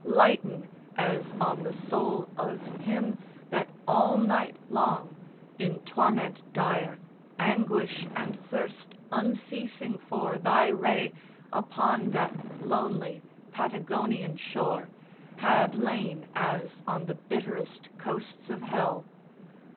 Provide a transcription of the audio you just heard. Lighten as on the soul Of him that all night long in torment dire, Anguish and thirst unceasing for thy ray Upon that lonely Patagonian shore Had lain as on the bitterest coasts of Hell.